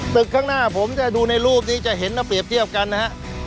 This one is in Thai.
ข้างหน้าผมถ้าดูในรูปนี้จะเห็นแล้วเปรียบเทียบกันนะฮะ